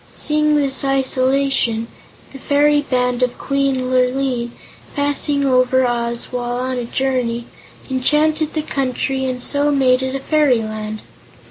Seeing this isolation, the fairy band of Queen Lurline, passing over Oz while on a journey, enchanted the country and so made it a Fairyland.